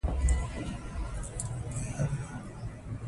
د ښو اخلاقو تمرین انسان ته د نورو سره مرسته او مهرباني زده کوي.